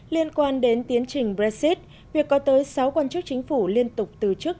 liên quan đến tiến trình brexit việc có tới sáu quan chức chính phủ liên tục từ chức